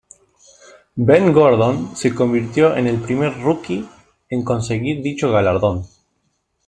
Ben Gordon se convirtió en en el primer "rookie" en conseguir dicho galardón.